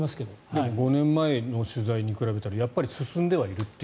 でも５年前の取材に比べたら、進んでいるという。